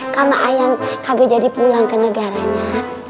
karena ayang kagak jadi pulang ke negaranya